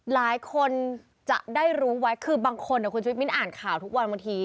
หลายคนจะได้รู้ไว้คือบางคนคุณชุวิตมิ้นอ่านข่าวทุกวันบางที